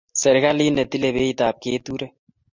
serekalit ne tile beit ab keturek